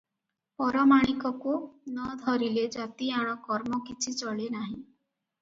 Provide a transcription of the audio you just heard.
ପରମାଣିକ କୁ ନ ଧରିଲେ ଜାତିଆଣ କର୍ମ କିଛି ଚଳେ ନାହିଁ ।